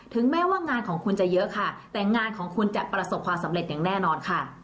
แม้ว่างานของคุณจะเยอะค่ะแต่งานของคุณจะประสบความสำเร็จอย่างแน่นอนค่ะ